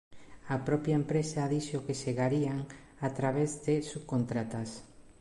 A propia empresa dixo que chegarían a través de subcontratas.